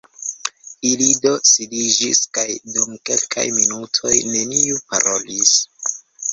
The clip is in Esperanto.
Ili do sidiĝis, kaj dum kelkaj minutoj neniu parolis.